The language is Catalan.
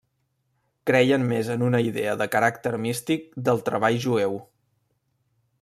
Creien més en una idea de caràcter místic del treball jueu.